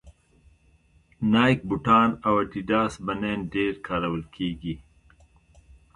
نایک بوټان او اډیډاس بنېن ډېر کارول کېږي